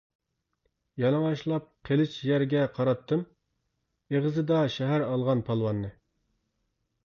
يالىڭاچلاپ قىلىچ يەرگە قاراتتىم، ئېغىزىدا شەھەر ئالغان پالۋاننى.